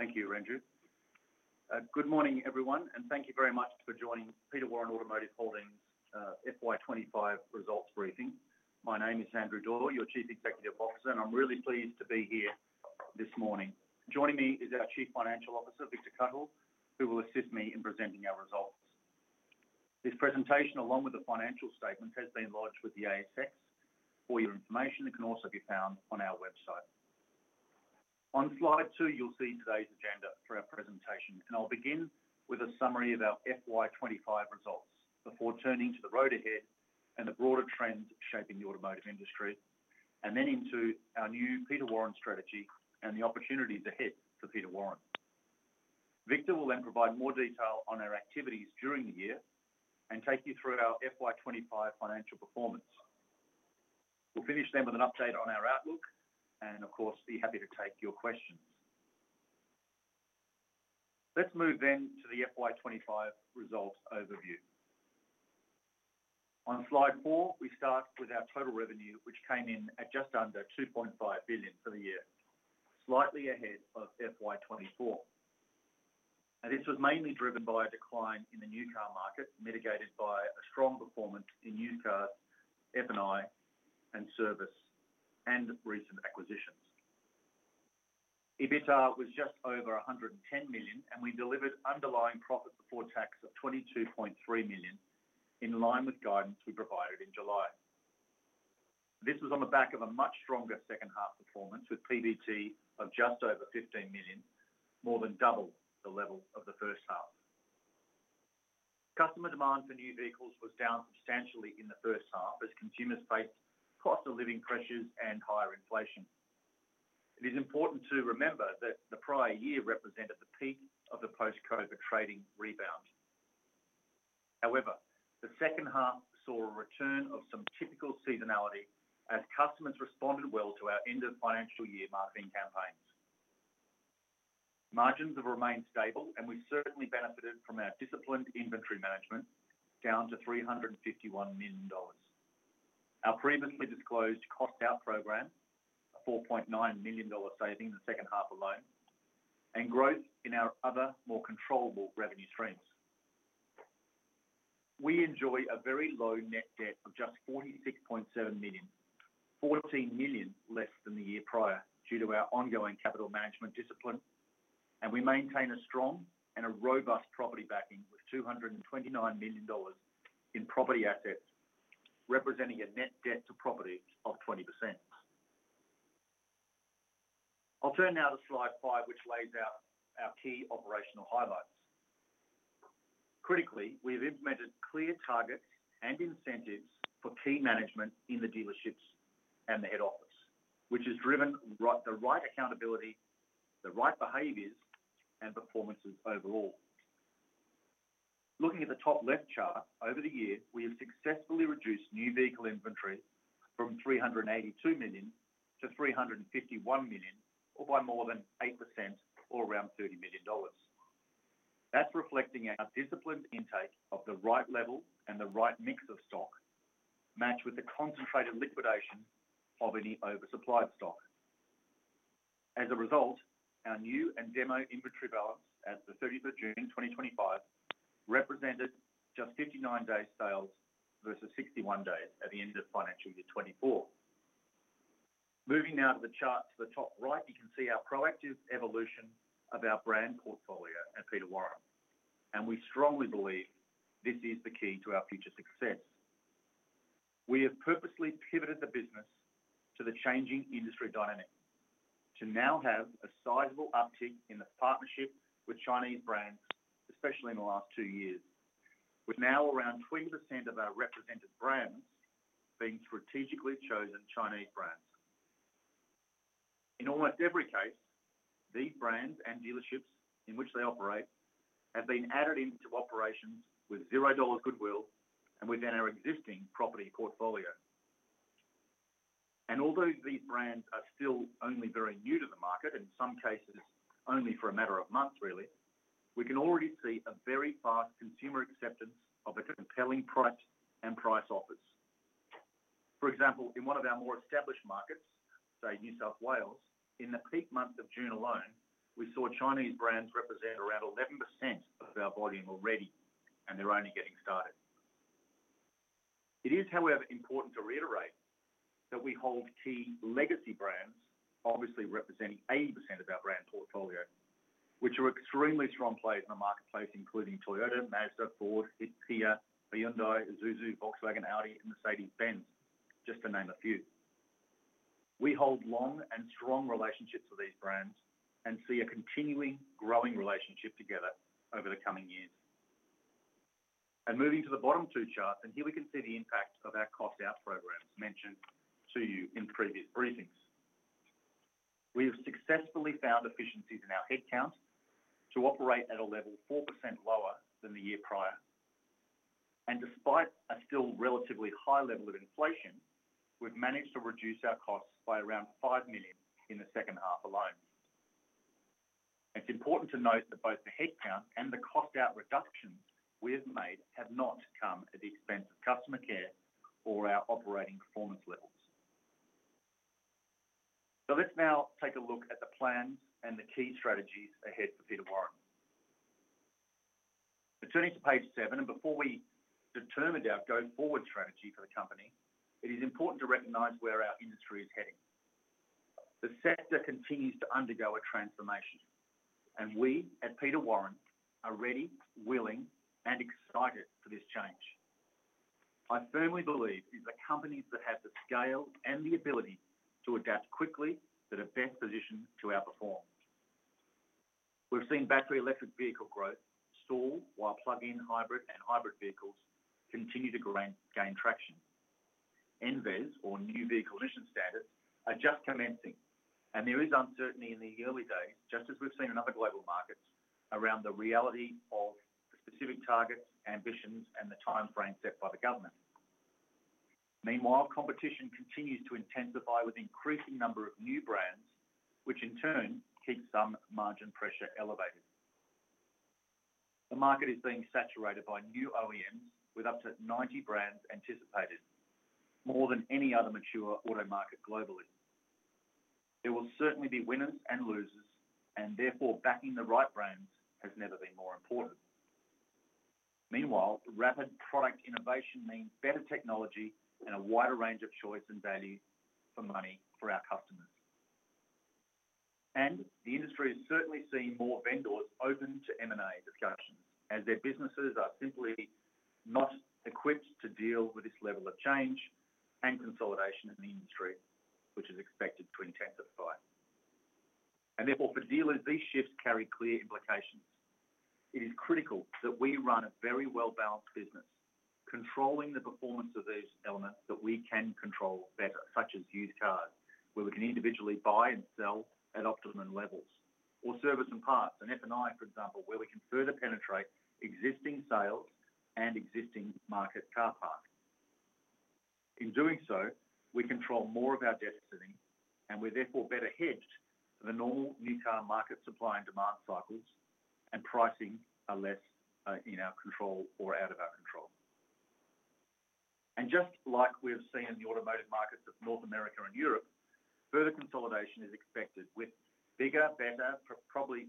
Thank you, Andrew. Good morning, everyone, and thank you very much for joining Peter Warren Automotive Holdings FY 2025 results briefing. My name is Andrew Doyle, your Chief Executive Officer, and I'm really pleased to be here this morning. Joining me is our Chief Financial Officer, Victor Cuthell, who will assist me in presenting our results. This presentation, along with the financial statement, has been lodged with the ASX. For your information, it can also be found on our website. On slide 2, you'll see today's agenda for our presentation, and I'll begin with a summary of our FY 2025 results before turning to the road ahead and the broader trends shaping the automotive industry, and then into our new Peter Warren strategy and the opportunity ahead for Peter Warren. Victor will then provide more detail on our activities during the year and take you through our FY 2025 financial performance. We'll finish then with an update on our outlook, and of course, be happy to take your questions. Let's move then to the FY 2025 results overview. On slide 4, we start with our total revenue, which came in at just under AUD 2.5 billion for the year, slightly ahead of FY 2024. This was mainly driven by a decline in the new car market, mitigated by a strong performance in used cars, F&I, service, and recent acquisitions. EBITDA was just over 110 million, and we delivered underlying profit before tax of 22.3 million, in line with guidance we provided in July. This was on the back of a much stronger second half performance, with PVT of just over 15 million, more than double the level of the first half. Customer demand for new vehicles was down substantially in the first half as consumers faced cost of living pressures and higher inflation. It is important to remember that the prior year represented the peak of the post-COVID trading rebound. However, the second half saw a return of some typical seasonality as customers responded well to our end of financial year marketing campaigns. Margins have remained stable, and we certainly benefited from our disciplined inventory management, down to 351 million dollars. Our previously disclosed cost-out program, a 4.9 million dollar saving in the second half alone, and growth in our other, more controllable revenue streams. We enjoy a very low net debt of just 46.7 million, 14 million less than the year prior due to our ongoing capital management discipline, and we maintain a strong and a robust property backing with 229 million dollars in property assets, representing a net debt to property of 20%. I'll turn now to slide 5, which lays out our key operational highlights. Critically, we have implemented clear targets and incentives for key management in the dealerships and the head office, which has driven the right accountability, the right behaviors, and performances overall. Looking at the top left chart, over the year, we have successfully reduced new vehicle inventory from AID 382 million-AUD 351 million, or by more than 8%, or around $30 million. That's reflecting our disciplined intake of the right level and the right mix of stock, matched with the concentrated liquidation of any oversupplied stock. As a result, our new and demo inventory balance at the 30th of June 2025 represented just 59 days' sales versus 61 days at the end of financial year 2024. Moving now to the chart to the top right, you can see our proactive evolution of our brand portfolio at Peter Warren, and we strongly believe this is the key to our future success. We have purposely pivoted the business to the changing industry dynamics, to now have a sizable uptick in the partnership with Chinese brands, especially in the last two years, with now around 20% of our represented brands being strategically chosen Chinese brands. In almost every case, these brands and dealerships in which they operate have been added into operations with 0 dollar goodwill and within our existing property portfolio. Although these brands are still only very new to the market, in some cases only for a matter of months, really, we can already see a very fast consumer acceptance of the compelling price and price offers. For example, in one of our more established markets, say New South Wales, in the peak month of June alone, we saw Chinese brands represent around 11% of our volume already, and they're only getting started. It is, however, important to reiterate that we hold key legacy brands, obviously representing 80% of our brand portfolio, which are extremely strong players in the marketplace, including Toyota, Mazda, Ford, Kia, Hyundai, Isuzu, Volkswagen, Audi, Mercedes, Benz, just to name a few. We hold long and strong relationships with these brands and see a continually growing relationship together over the coming years. Moving to the bottom two charts, here we can see the impact of our cost-out programs mentioned to you in previous briefings. We have successfully found efficiencies in our headcount to operate at a level 4% lower than the year prior. Despite a still relatively high level of inflation, we've managed to reduce our costs by around 5 million in the second half alone. It's important to note that both the headcount and the cost-out reductions we have made have not come at the expense of customer care or our operating performance levels. Let's now take a look at the plan and the key strategies ahead for Peter Warren. Returning to page 7, before we determine our going-forward strategy for the company, it is important to recognize where our industry is heading. The sector continues to undergo a transformation, and we at Peter Warren are ready, willing, and excited for this change. I firmly believe it is the companies that have the scale and the ability to adapt quickly that are best positioned to outperform. We've seen battery electric vehicle growth stall while plug-in hybrid and hybrid vehicles continue to gain traction. NVEZ or the New Vehicle Emissions Standard, is just commencing, and there is uncertainty in the early days, just as we've seen in other global markets, around the reality of the specific targets, ambitions, and the timeframe set by the government. Meanwhile, competition continues to intensify with an increasing number of new brands, which in turn keeps some margin pressure elevated. The market is being saturated by new OEMs with up to 90 brands anticipated, more than any other mature auto market globally. There will certainly be winners and losers, therefore backing the right brands has never been more important. Meanwhile, rapid product innovation means better technology and a wider range of choice and value for money for our customers. The industry is certainly seeing more vendors open to M&A discussions, as their businesses are simply not equipped to deal with this level of change and consolidation in the industry, which is expected to intensify. Therefore, for dealers, these shifts carry clear implications. It is critical that we run a very well-balanced business, controlling the performance of these elements that we can control better, such as used cars, where we can individually buy and sell at optimum levels, or service and parts, and F&I, for example, where we can further penetrate existing sales and existing market car park. In doing so, we control more of our debt sitting, and we're therefore better hedged for the normal NisCar market supply and demand cycles, and pricing are less in our control or out of our control. Just like we have seen in the automotive markets of North America and Europe, further consolidation is expected, with bigger, better, probably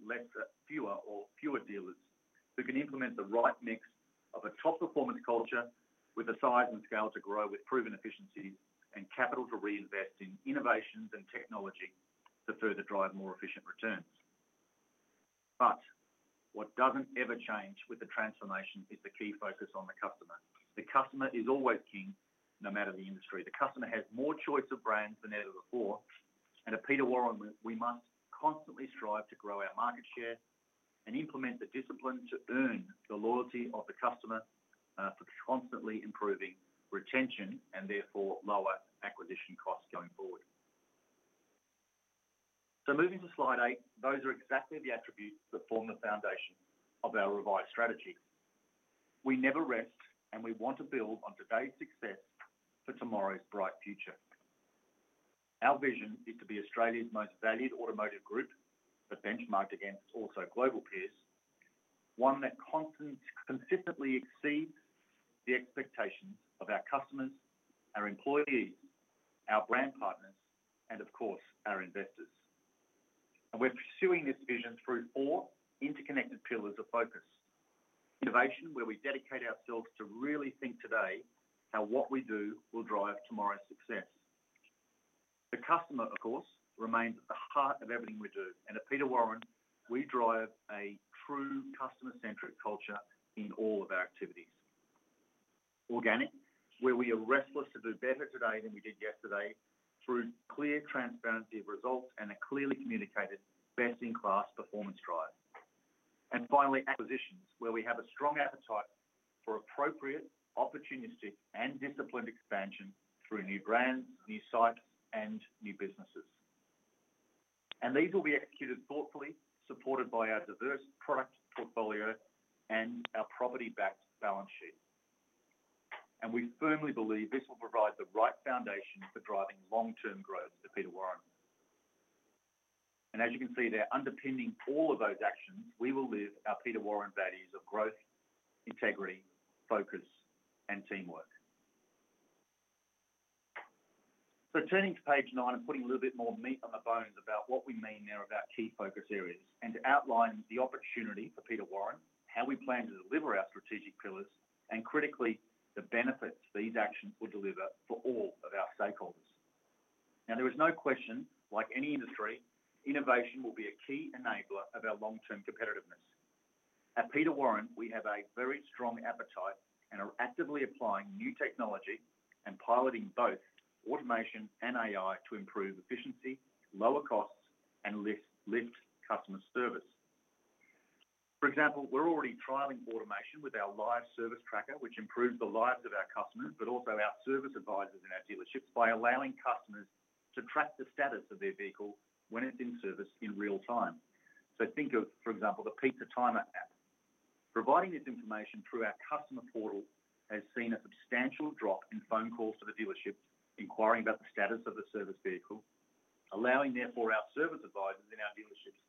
fewer dealers who can implement the right mix of a top performance culture with the size and scale to grow with proven efficiencies and capital to reinvest in innovations and technology to further drive more efficient returns. What doesn't ever change with the transformation is the key focus on the customer. The customer is always king, no matter the industry. The customer has more choice of brands than ever before, and at Peter Warren, we must constantly strive to grow our market share and implement the discipline to earn the loyalty of the customer for constantly improving retention and therefore lower acquisition costs going forward. Moving to slide 8, those are exactly the attributes that form the foundation of our revised strategy. We never rest, and we want to build on today's success for tomorrow's bright future. Our vision is to be Australia's most valued automotive group, but benchmarked against also global peers, one that consistently exceeds the expectations of our customers, our employees, our brand partners, and of course, our investors. We're pursuing this vision through four interconnected pillars of focus: innovation, where we dedicate ourselves to really think today how what we do will drive tomorrow's success; the customer, of course, remains at the heart of everything we do; and at Peter Warren, we drive a true customer-centric culture in all of our activities; organic, where we are restless to do better today than we did yesterday through clear transparency of results and a clearly communicated best-in-class performance drive; and finally, acquisitions, where we have a strong appetite for appropriate, opportunistic, and disciplined expansion through new brands, new sites, and new businesses. These will be executed thoughtfully, supported by our diverse product portfolio and our property-backed balance sheet. We firmly believe this will provide the right foundation for driving long-term growth for Peter Warren. As you can see, underpinning all of those actions, we will live our Peter Warren values of growth, integrity, focus, and teamwork. Turning to page 9 and putting a little bit more meat on the bones about what we mean there about key focus areas and outlining the opportunity for Peter Warren, we plan to deliver our strategic pillars and, critically, the benefits these actions will deliver for all of our stakeholders. There is no question, like any industry, innovation will be a key enabler of our long-term competitiveness. At Peter Warren, we have a very strong appetite and are actively applying new technology and piloting both automation and AI to improve efficiency, lower costs, and lift customer service. For example, we're already driving automation with our live service tracker, which improves the lives of our customers but also our service advisors in our dealerships by allowing customers to track the status of their vehicle when it's in service in real time. Think of, for example, the pizza timer app. Providing this information through our customer portal has seen a substantial drop in phone calls to the dealerships inquiring about the status of the service vehicle, allowing our service advisors in our dealerships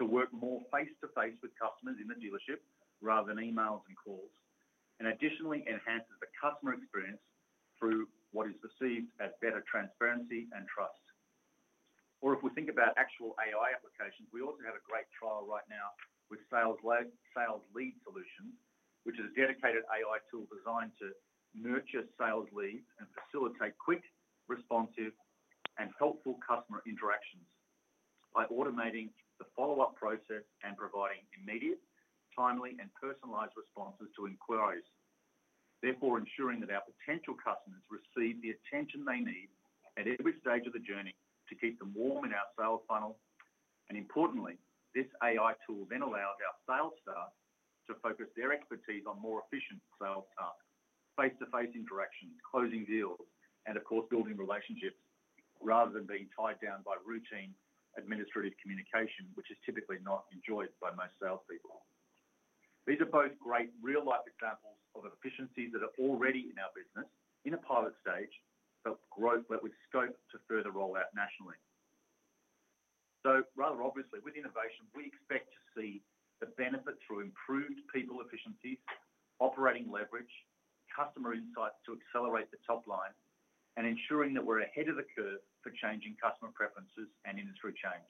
to work more face-to-face with customers in the dealership rather than emails and calls, and additionally enhances the customer experience through what is perceived as better transparency and trust. If we think about actual AI applications, we also have a great trial right now with SalesLead Solutions, which is a dedicated AI tool designed to nurture sales leads and facilitate quick, responsive, and thoughtful customer interactions by automating the follow-up process and providing immediate, timely, and personalised responses to inquiries, therefore ensuring that our potential customers receive the attention they need at every stage of the journey to keep them warm in our sales funnel. Importantly, this AI tool then allows our sales staff to focus their expertise on more efficient sales tasks, face-to-face interactions, closing deals, and of course, building relationships rather than being tied down by routine administrative communication, which is typically not enjoyed by most salespeople. These are both great real-life examples of efficiencies that are already in our business in a pilot stage but with scope to further roll out nationally. Rather obviously, with innovation, we expect to see the benefits through improved people efficiencies, operating leverage, customer insight to accelerate the top line, and ensuring that we're ahead of the curve for changing customer preferences and industry change.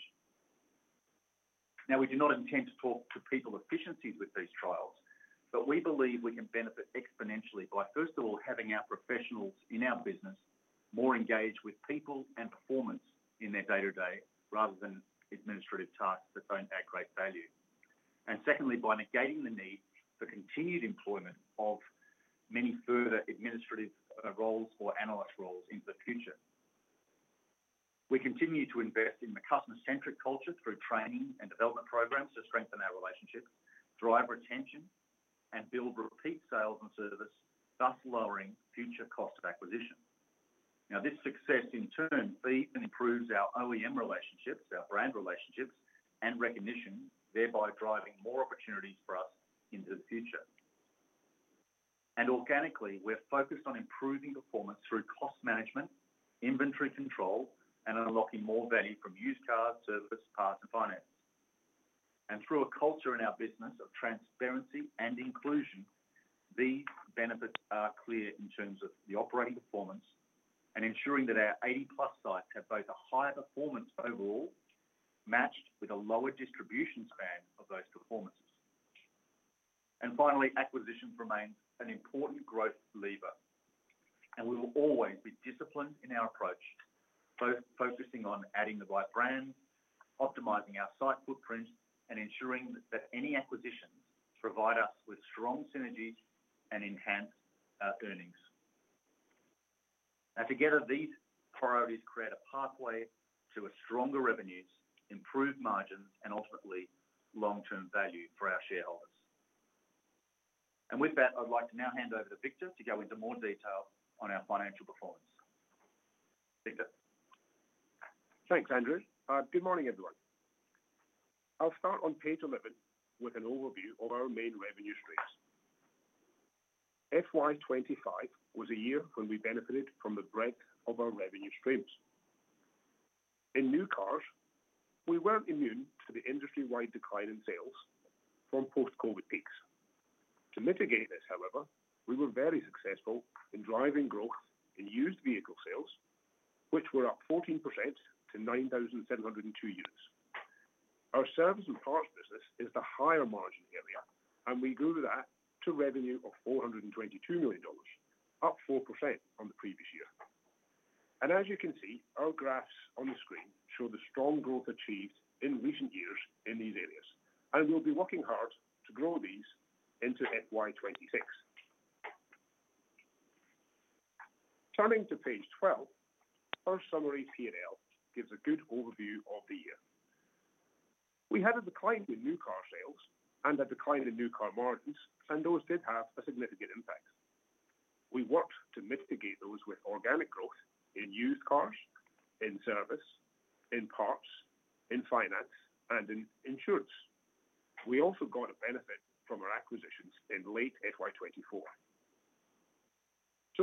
We do not intend to talk to people efficiencies with these trials, but we believe we can benefit exponentially by, first of all, having our professionals in our business more engaged with people and performance in their day-to-day rather than administrative tasks that don't add great value. Secondly, by negating the need for continued employment of many further administrative roles or analyst roles into the future. We continue to invest in the customer-centric culture through training and development programs to strengthen our relationships, drive retention, and build repeat sales and service, thus lowering future cost of acquisition. This success in turn deeply improves our OEM relationships, our brand relationships, and recognition, thereby driving more opportunities for us into the future. Organically, we're focused on improving performance through cost management, inventory control, and unlocking more value from used cars, service, parts, and finance. Through a culture in our business of transparency and inclusion, these benefits are clear in terms of the operating performance and ensuring that our 80-plus sites have both a higher performance overall, matched with a lower distribution span of those performances. Finally, acquisitions remain an important growth lever, and we will always be disciplined in our approach, both focusing on adding the right brand, optimizing our site footprint, and ensuring that any acquisitions provide us with strong synergies and enhance our earnings. Together, these priorities create a pathway to stronger revenues, improved margins, and ultimately, long-term value for our shareholders. With that, I'd like to now hand over to Victor to go into more detail on our financial performance. Victor. Thanks, Andrew. Good morning, everyone. I'll start on page 11 with an overview of our main revenue streams. FY 2025 was a year when we benefited from the breadth of our revenue streams. In new cars, we weren't immune to the industry-wide decline in sales from post-COVID peaks. To mitigate this, however, we were very successful in driving growth in used vehicle sales, which were up 14% to 9,702 units. Our service and parts business is the higher margin area, and we grew that to a revenue of 422 million dollars, up 4% on the previous year. As you can see, our graphs on the screen show the strong growth achieved in recent years in these areas, and we'll be working hard to grow these into FY 2026. Turning to page 12, our summary P&L gives a good overview of the year. We had a decline in new car sales and a decline in new car margins, and those did have a significant impact. We worked to mitigate those with organic growth in used cars, in service, in parts, in finance, and in insurance. We also got a benefit from our acquisitions in late FY 2024.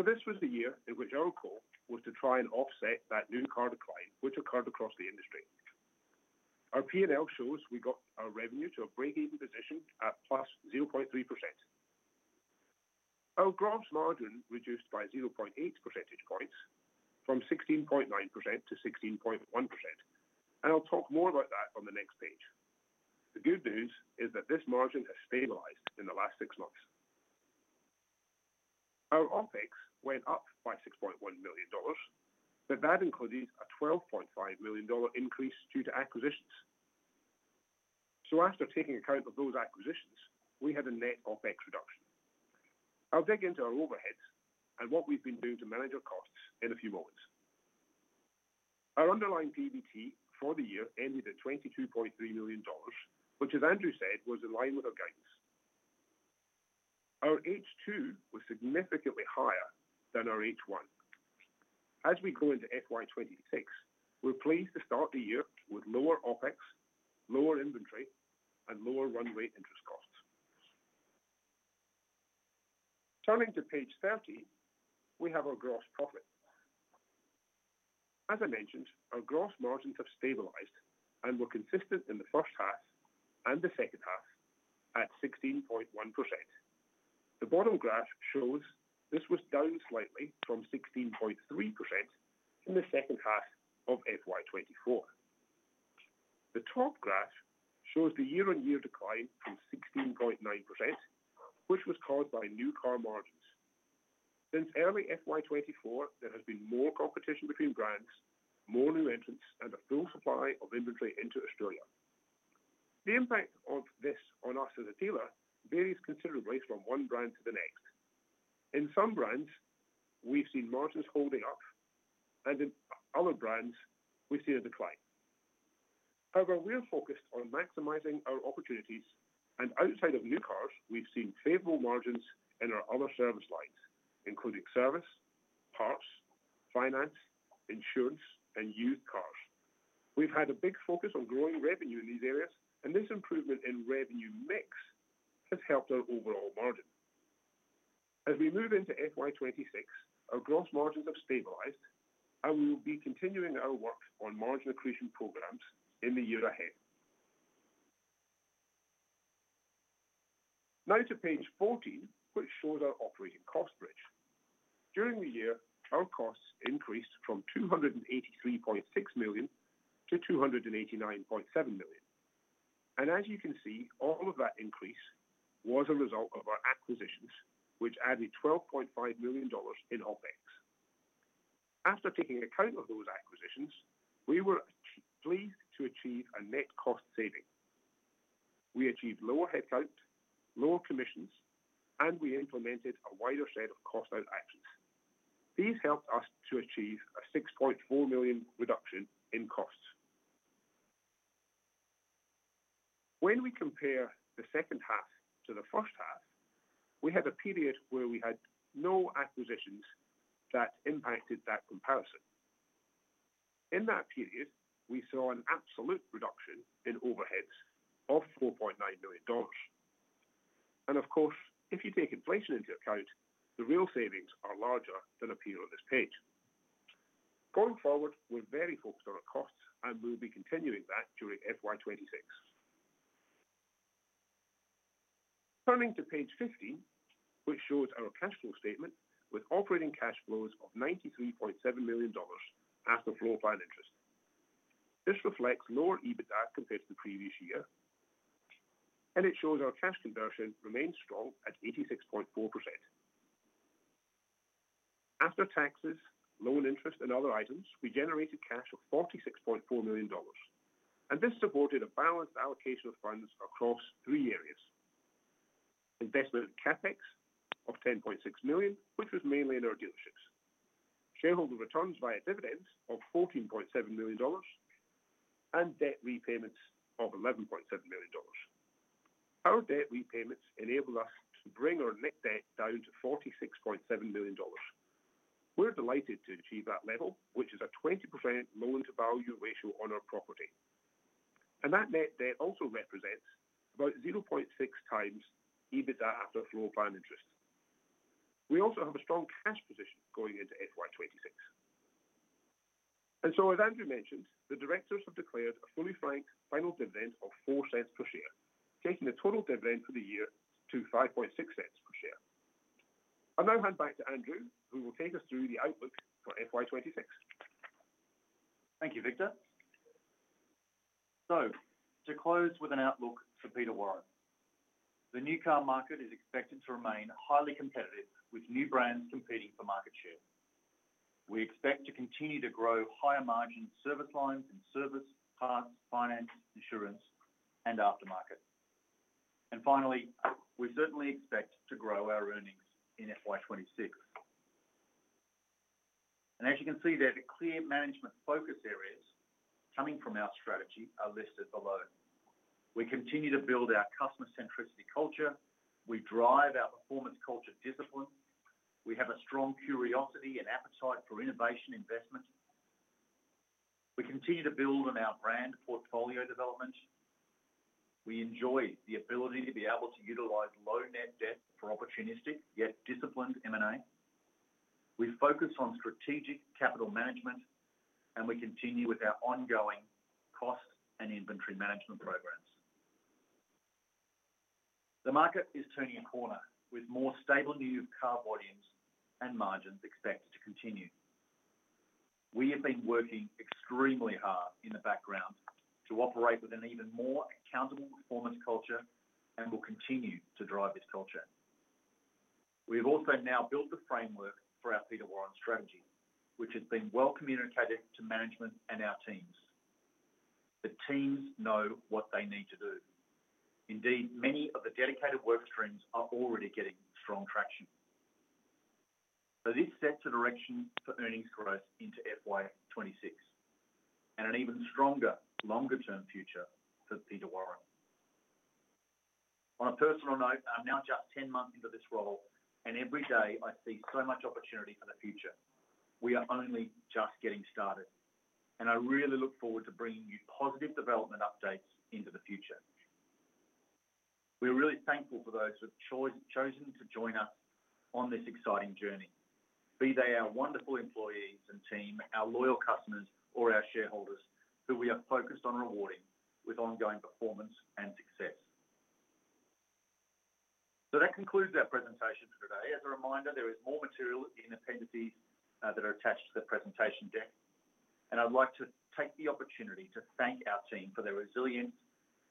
This was the year in which our goal was to try and offset that new car decline, which occurred across the industry. Our P&L shows we got our revenue to a break-even position at +0.3%. Our gross margin reduced by 0.8 percentage points, from 16.9% to 16.1%, and I'll talk more about that on the next page. The good news is that this margin has stabilized in the last six months. Our OpEx went up by 6.1 million dollars, but that includes a 12.5 million dollar increase due to acquisitions. After taking account of those acquisitions, we had a net OpEx reduction. I'll dig into our overheads and what we've been doing to manage our costs in a few moments. Our underlying PVT for the year ended at 22.3 million dollars, which, as Andrew said, was in line with our guidance. Our H2 was significantly higher than our H1. As we go into FY 2026, we're pleased to start the year with lower OpEx, lower inventory, and lower run rate interest costs. Turning to page 30, we have our gross profit. As I mentioned, our gross margins have stabilized and were consistent in the first half and the second half at 16.1%. The bottom graph shows this was down slightly from 16.3% in the second half of FY 2024. The top graph shows the year-on-year decline from 16.9%, which was caused by new car margins. Since early FY 2024, there has been more competition between brands, more new entrants, and a full supply of inventory into Australia. The impact of this on us as a dealer varies considerably from one brand to the next. In some brands, we've seen margins holding up, and in other brands, we've seen a decline. However, we're focused on maximizing our opportunities, and outside of new cars, we've seen favorable margins in our other service lines, including service, parts, finance, insurance, and used cars. We've had a big focus on growing revenue in these areas, and this improvement in revenue mix has helped our overall margin. As we move into FY 2026, our gross margins have stabilized, and we will be continuing our work on margin accretion programs in the year ahead. Now to page 14, which shows our operating cost bridge. During the year, our costs increased from 283.6 million-289.7 million. As you can see, all of that increase was a result of our acquisitions, which added 12.5 million dollars in OpEx. After taking account of those acquisitions, we were pleased to achieve a net cost saving. We achieved lower headcount, lower commissions, and we implemented a wider set of cost-out actions. These helped us to achieve a 6.4 million reduction in costs. When we compare the second half to the first half, we had a period where we had no acquisitions that impacted that comparison. In that period, we saw an absolute reduction in overheads of 4.9 million dollars. Of course, if you take inflation into account, the real savings are larger than appear on this page. Going forward, we're very focused on our costs, and we'll be continuing that during FY 2026. Turning to page 50, which shows our cash flow statement with operating cash flows of 93.7 million dollars after flow by interest. This reflects lower EBITDA compared to the previous year, and it shows our cash conversion remains strong at 86.4%. After taxes, loan interest, and other items, we generated cash of 46.4 million dollars, and this supported a balanced allocation of funds across three areas: investment CapEx of 10.6 million, which was mainly in our dealerships, shareholder returns via dividends of 14.7 million dollars, and debt repayments of 11.7 million dollars. Our debt repayments enable us to bring our net debt down to 46.7 million dollars. We're delighted to achieve that level, which is a 20% loan-to-value ratio on our property. That net debt also represents about 0.6x EBITDA after flow by interest. We also have a strong cash position going into FY 2026. As Andrew mentioned, the directors have declared a fully franked final dividend of 0.04 per share, taking the total dividend for the year to 0.056 per share. I'll now hand back to Andrew, who will take us through the outlook for FY2026. Thank you, Victor. To close with an outlook for Peter Warren, the new car market is expected to remain highly competitive, with new brands competing for market share. We expect to continue to grow higher margin service lines in service, parts, finance, insurance, and aftermarket. We certainly expect to grow our earnings in FY 2026. As you can see, the clear management focus areas coming from our strategy are listed below. We continue to build our customer-centricity culture. We drive our performance culture discipline. We have a strong curiosity and appetite for innovation investment. We continue to build on our brand portfolio development. We enjoy the ability to be able to utilize low net debt for opportunistic yet disciplined M&A. We focus on strategic capital management, and we continue with our ongoing cost and inventory management programs. The market is turning a corner with more stable new car volumes and margins expected to continue. We have been working extremely hard in the background to operate with an even more accountable performance culture and will continue to drive this culture. We have also now built the framework for our Peter Warren strategy, which has been well communicated to management and our teams. The teams know what they need to do. Indeed, many of the dedicated work streams are already getting strong traction. This sets a direction for earnings growth into FY 2026 and an even stronger, longer-term future for Peter Warren. On a personal note, I'm now just 10 months into this role, and every day I see so much opportunity for the future. We are only just getting started, and I really look forward to bringing you positive development updates into the future. We're really thankful for those who have chosen to join us on this exciting journey, be they our wonderful employees and team, our loyal customers, or our shareholders, who we are focused on rewarding with ongoing performance and success. That concludes our presentation for today. As a reminder, there is more material in the appendices that are attached to the presentation deck, and I'd like to take the opportunity to thank our team for their resilience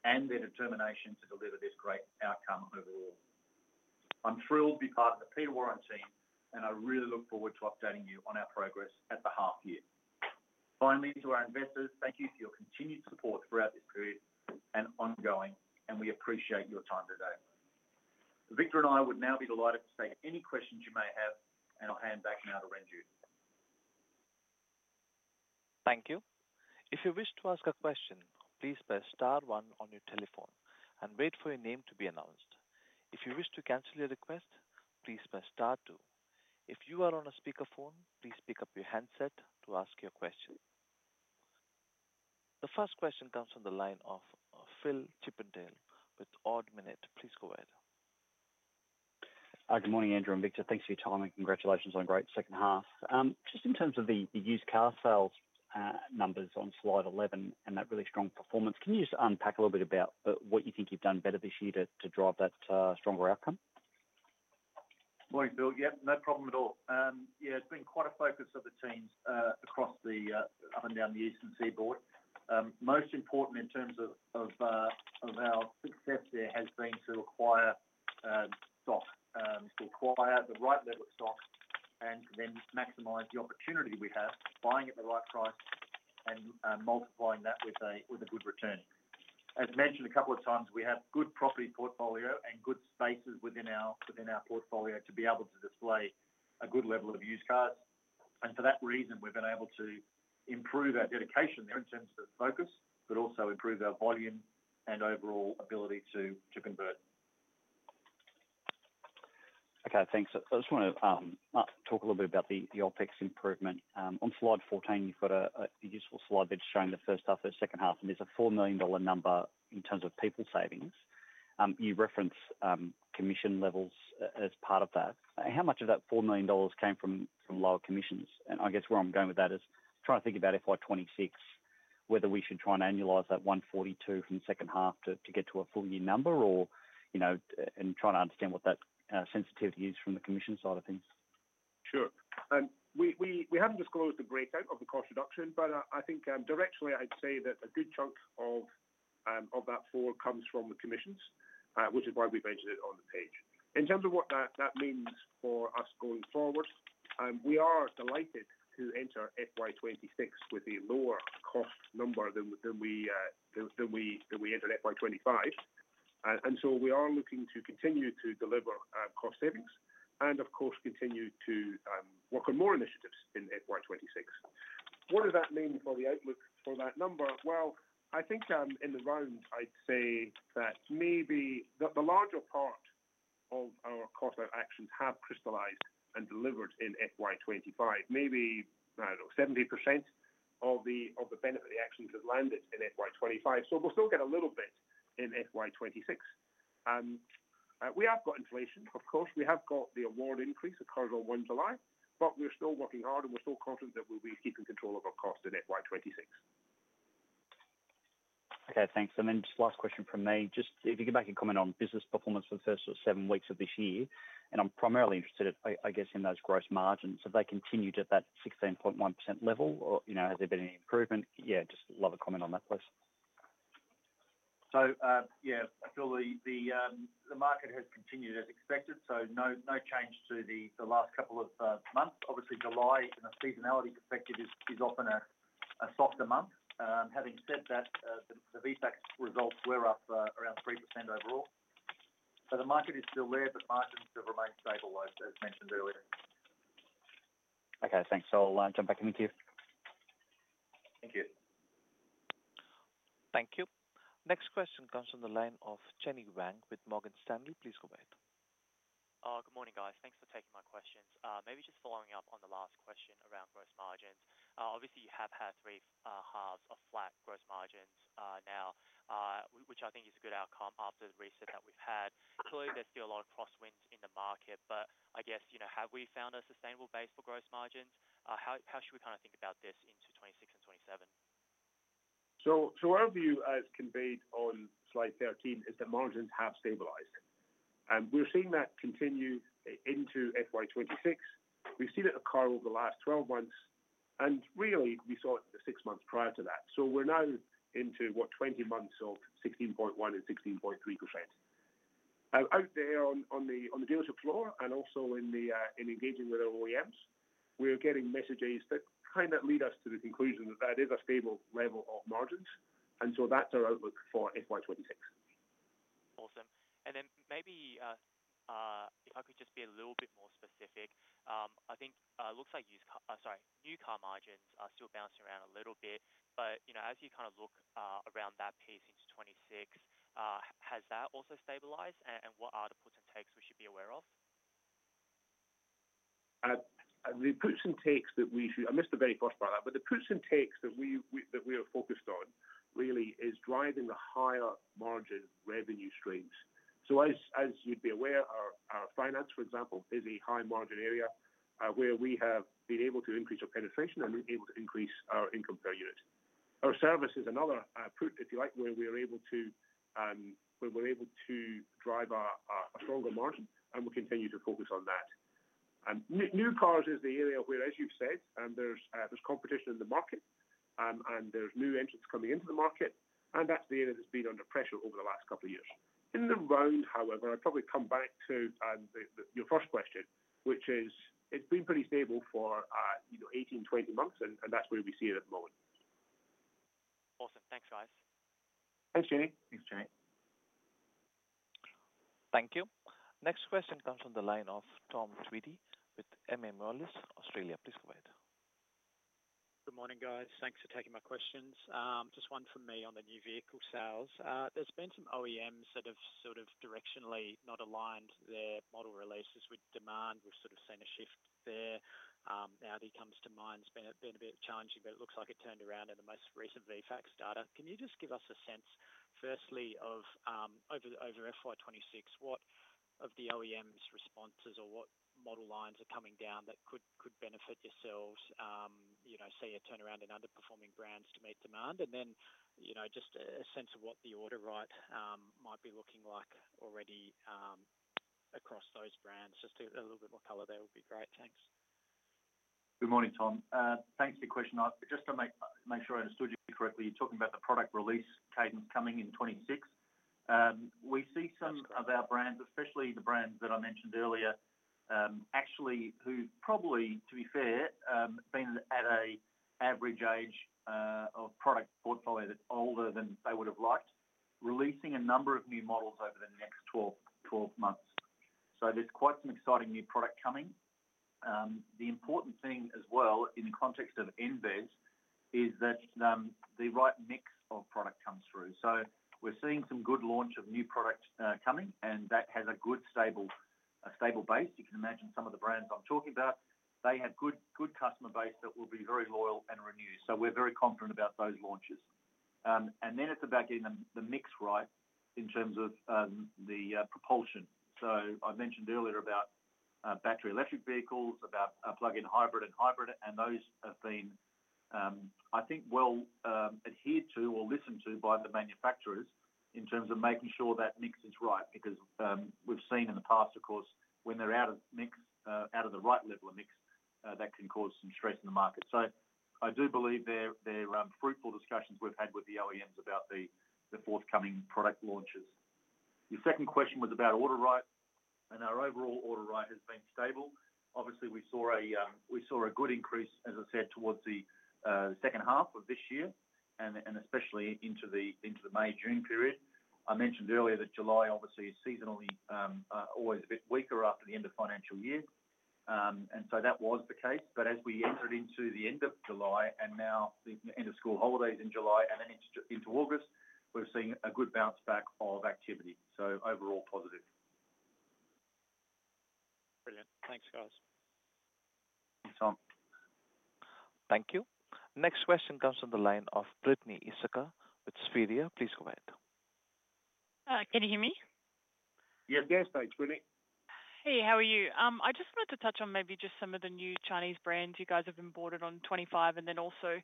and their determination to deliver this great outcome overall. I'm thrilled to be part of the Peter Warren team, and I really look forward to updating you on our progress at the half year. Finally, to our investors, thank you for your continued support throughout this period and ongoing, and we appreciate your time today. Victor and I would now be delighted to take any questions you may have, and I'll hand back now to Andrew. Thank you. If you wish to ask a question, please press star one on your telephone and wait for your name to be announced. If you wish to cancel your request, please press star two. If you are on a speakerphone, please pick up your handset to ask your question. The first question comes from the line of Phil Chippendale with Ord Minnett. Please go ahead. Good morning, Andrew and Victor. Thanks for your time and congratulations on a great second half. Just in terms of the used car sales numbers on slide 11 and that really strong performance, can you just unpack a little bit about what you think you've done better this year to drive that stronger outcome? Morning, Phil. Yep, no problem at all. It's been quite a focus of the teams up and down the Eastern Seaboard. Most important in terms of our success there has been to acquire stock, to acquire the right level of stock, and to then maximize the opportunity we have, buying at the right price and multiplying that with a good return. As mentioned a couple of times, we have a good property portfolio and good spaces within our portfolio to be able to display a good level of used cars. For that reason, we've been able to improve our dedication there in terms of focus, but also improve our volume and overall ability to convert. OK, thanks. I just want to talk a little bit about the OpEx improvement. On slide 14, you've got a useful slide that's showing the first half and the second half, and there's a 4 million dollar number in terms of people savings. You reference commission levels as part of that. How much of that 4 million dollars came from lower commissions? Where I'm going with that is trying to think about FY 2026, whether we should try and annualize that 142 million from the second half to get to a full year number, and try to understand what that sensitivity is from the commission side of things. Sure. We haven't disclosed the breakdown of the cost reduction, but I think directionally I'd say that a good chunk of that fall comes from the commissions, which is why we've mentioned it on the page. In terms of what that means for us going forward, we are delighted to enter FY 2026 with a lower cost number than we entered FY 2025. We are looking to continue to deliver cost savings and, of course, continue to work on more initiatives in FY 2026. What does that mean for the outlook for that number? In the round, I'd say that maybe the larger part of our cost-out actions have crystallized and delivered in FY 2025, maybe, I don't know, 70% of the benefit of the actions that landed in FY 2025. We'll still get a little bit in FY 2026. We have got inflation, of course. We have got the award increase occurred on July 1, but we're still working hard, and we're still confident that we'll be keeping control of our costs in FY 2026. OK, thanks. Just last question from me. If you could make a comment on business performance for the first sort of seven weeks of this year, I'm primarily interested, I guess, in those gross margins. Have they continued at that 16.1% level, or has there been any improvement? Just a little comment on that, please. Yeah, I Phil the market has continued as expected, so no change to the last couple of months. Obviously, July and the seasonality perspective is often a softer month. Having said that, the reflex results were up around 3% overall. The market is still there, but margins have remained stable, as mentioned earlier. OK, thanks. I'll jump back in with you. Thank you. Thank you. Next question comes from the line of Chenny Wang with Morgan Stanley. Please go ahead. Good morning, guys. Thanks for taking my questions. Maybe just following up on the last question around gross margins. Obviously, you have had three halves of flat gross margins now, which I think is a good outcome after the reset that we've had. Clearly, there's still a lot of crosswinds in the market. I guess, you know, have we found a sustainable base for gross margins? How should we kind of think about this into 2026 and 2027? Our view, as conveyed on slide 13, is that margins have stabilized, and we're seeing that continue into FY 2026. We've seen it occur over the last 12 months, and really, we saw it the six months prior to that. We're now into, what, 20 months of 16.1% and 16.3%. Out there on the dealership floor and also in engaging with our OEMs, we are getting messages that kind of lead us to the conclusion that that is a stable level of margins, and that's our outlook for FY2026. Awesome. Maybe if I could just be a little bit more specific, I think it looks like new car margins are still bouncing around a little bit, but you know, as you kind of look around that piece into 2026, has that also stabilized, and what are the puts and takes we should be aware of? The puts and takes that we are focused on really is driving the higher margin revenue streams. As you'd be aware, our finance, for example, is a high margin area where we have been able to increase our penetration and been able to increase our income per unit. Our service is another put, if you like, where we are able to drive a stronger margin, and we'll continue to focus on that. New cars is the area where, as you've said, there's competition in the market, and there's new entrants coming into the market, and that's the area that's been under pressure over the last couple of years. In the round, however, I'd probably come back to your first question, which is it's been pretty stable for, you know, 18, 20 months, and that's where we see it at the moment. Awesome. Thanks, guys. Thanks, Chenny. Thanks, Chenny. Thank you. Next question comes from the line of Tom Tweedie with MA Moelis Australia. Please go ahead. Good morning, guys. Thanks for taking my questions. Just one for me on the new vehicle sales. There's been some OEMs that have sort of directionally not aligned their model releases with demand. We've sort of seen a shift there. Audi comes to mind. It's been a bit challenging, but it looks like it turned around in the most recent reflex data. Can you just give us a sense, firstly, of over FY 2026, what of the OEMs' responses or what model lines are coming down that could benefit yourselves, you know, say a turnaround in underperforming brands to meet demand? You know, just a sense of what the order rate might be looking like already across those brands. Just a little bit more color there would be great. Thanks. Good morning, Tom. Thanks for the question. Just to make sure I understood you correctly, you're talking about the product release cadence coming in 2026? We see some of our brands, especially the brands that I mentioned earlier, who've probably, to be fair, been at an average age of product portfolio that's older than they would have liked, releasing a number of new models over the next 12 months. There's quite some exciting new product coming. The important thing as well in the context of NVEZ is that the right mix of product comes through. We're seeing some good launch of new product coming, and that has a good, stable base. You can imagine some of the brands I'm talking about, they have a good customer base that will be very loyal and renewed. We're very confident about those launches. It's about getting the mix right in terms of the propulsion. I mentioned earlier about battery electric vehicles, about plug-in hybrid and hybrid, and those have been, I think, well adhered to or listened to by the manufacturers in terms of making sure that mix is right, because we've seen in the past, of course, when they're out of the right level of mix, that can cause some stress in the market. I do believe they're fruitful discussions we've had with the OEMs about the forthcoming product launches. Your second question was about order rate, and our overall order rate has been stable. Obviously, we saw a good increase, as I said, towards the second half of this year and especially into the May-June period. I mentioned earlier that July, obviously, is seasonally always a bit weaker after the end of the financial year, and that was the case. As we entered into the end of July and now the end of school holidays in July and then into August, we're seeing a good bounce back of activity. Overall positive. Brilliant. Thanks, guys. Thanks, Tom. Thank you. Next question comes from the line of Brittany Issaka with Spheria. Please go ahead. Can you hear me? Yeah, the gas stage, Brittany. Hey, how are you? I just wanted to touch on maybe just some of the new Chinese brands you guys have imported in 2025 and then also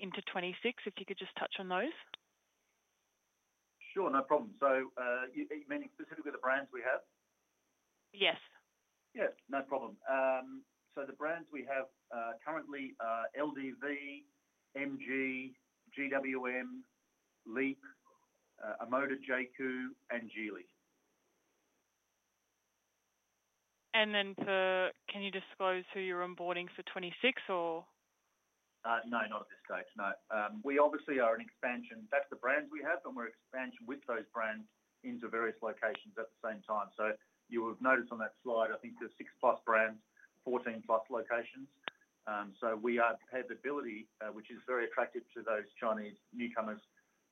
into 2026, if you could just touch on those. Sure, no problem. You meaning specifically the brands we have? Yes. Yeah, no problem. The brands we have currently are LDV, MG, GWM, Leapmotor, Omoda, JAC, and Geely. Can you disclose who you're onboarding for 2026? No, not at this stage. No. We obviously are an expansion. That's the brands we have, and we're expansion with those brands into various locations at the same time. You will have noticed on that slide, I think there's six-plus brands, 14+ locations. We have the ability, which is very attractive to those Chinese newcomers,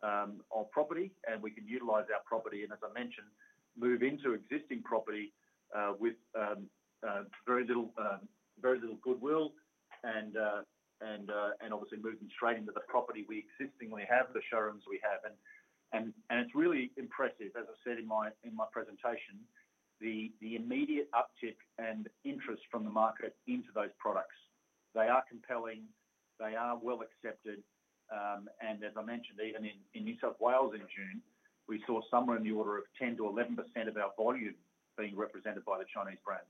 our property, and we can utilize our property and, as I mentioned, move into existing property with very little goodwill and obviously moving straight into the property we existingly have, the showrooms we have. It's really impressive, as I said in my presentation, the immediate uptick and interest from the market into those products. They are compelling. They are well accepted. As I mentioned, even in New South Wales in June, we saw somewhere in the order of 10%-11% of our volume being represented by the Chinese brands.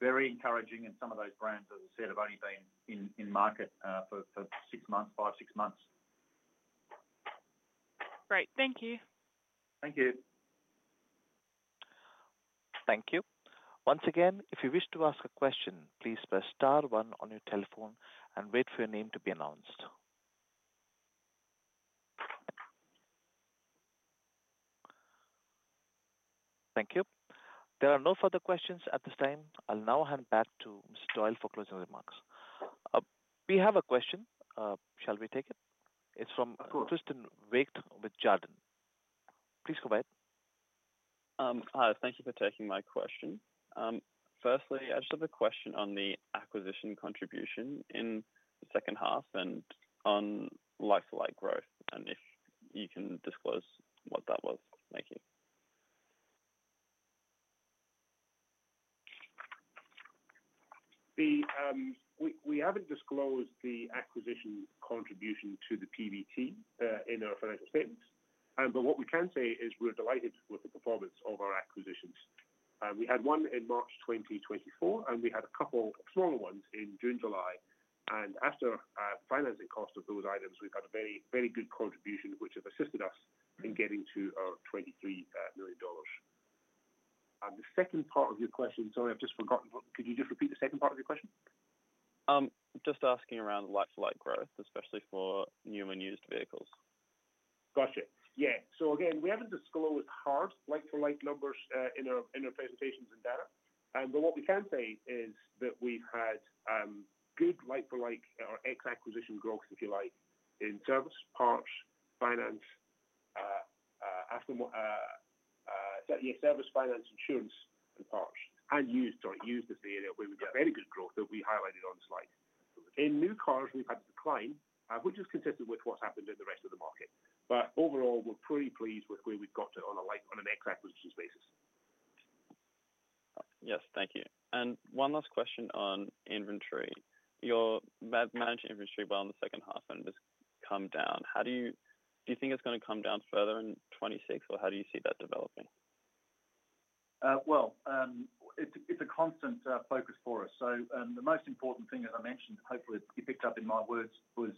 Very encouraging, and some of those brands, as I said, have only been in market for six months, five, six months. Great. Thank you. Thank you. Thank you. Once again, if you wish to ask a question, please press star one on your telephone and wait for your name to be announced. Thank you. There are no further questions at this time. I'll now hand back to Mr. Doyle for closing remarks. We have a question. Shall we take it? It's from Tristan Weght with Jarden. Please go ahead. Hi. Thank you for taking my question. Firstly, I just have a question on the acquisition contribution in the second half and on like-for-like growth, and if you can disclose what that was. We haven't disclosed the acquisition contribution to the PVT in our financial statements, but what we can say is we're delighted with the performance of our acquisitions. We had one in March 2024, and we had a couple of smaller ones in June and July. After financing costs of those items, we've had a very, very good contribution, which has assisted us in getting to our 23 million dollars. The second part of your question, sorry, I've just forgotten. Could you just repeat the second part of your question? Just asking around like-for-like growth, especially for new and used vehicles. Got you. Yeah. We haven't disclosed hard like-for-like numbers in our presentations and data, but what we can say is that we've had good like-for-like or ex-acquisition growth, if you like, in service, parts, finance, service finance, insurance, and parts. Used is the area where we've had very good growth that we highlighted on the slide. In new cars, we've had a decline, which is consistent with what's happened in the rest of the market. Overall, we're pretty pleased with where we've got to on an ex-acquisitions basis. Yes, thank you. One last question on inventory. You manage inventory well in the second half, and it has come down. How do you think it's going to come down further in 2026, or how do you see that developing? It's a constant focus for us. The most important thing, as I mentioned, hopefully you picked up in my words, was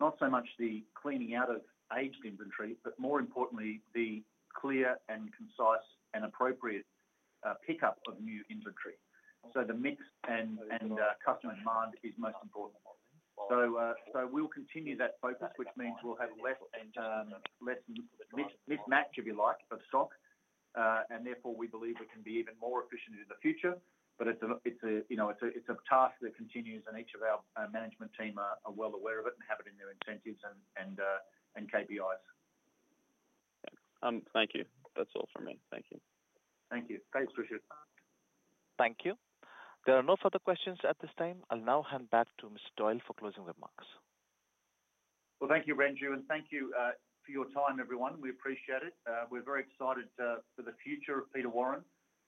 not so much the cleaning out of aged inventory, but more importantly, the clear and concise and appropriate pickup of new inventory. The mix and customer demand is most important. We'll continue that focus, which means we'll have less and less mismatch, if you like, of stock. Therefore, we believe we can be even more efficient in the future. It's a task that continues, and each of our management team are well aware of it and have it in their incentives and KPIs. Thank you. That's all from me. Thank you. Thank you. Thanks, Richard. Thank you. There are no further questions at this time. I'll now hand back to Mr. Doyle for closing remarks. Thank you, Andrew. Thank you for your time, everyone. We appreciate it. We're very excited for the future of Peter Warren.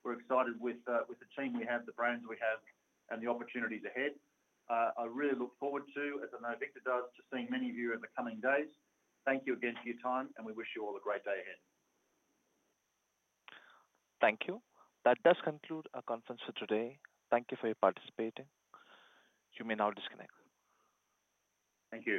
We're excited with the team you have, the brands we have, and the opportunities ahead. I really look forward to, as I know Victor does, seeing many of you in the coming days. Thank you again for your time, and we wish you all a great day ahead. Thank you. That does conclude our conference for today. Thank you for your participating. You may now disconnect. Thank you.